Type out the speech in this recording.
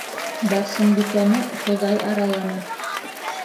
Барсынбикәне Хоҙай араланы.